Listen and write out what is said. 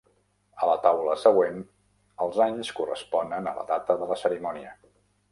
A la taula següent, els anys corresponen a la data de la cerimònia.